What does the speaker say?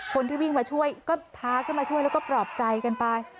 คนที่วิ่งมาช่วยก็พาขึ้นมาช่วยแล้วก็ปลอบใจกันไป